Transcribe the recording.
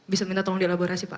bisa minta tolong dielaborasi pak